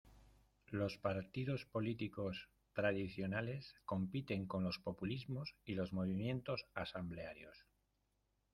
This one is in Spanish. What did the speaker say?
Los partidos políticos tradicionales compiten con los populismos y los movimientos asamblearios.